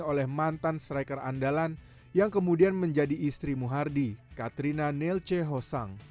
oleh mantan striker andalan yang kemudian menjadi istri muhardi katrina nelce hosang